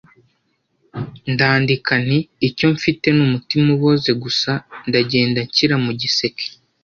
ndandika nti icyo mfite ni umutima uboze gusa ndagenda nshyira mu giseke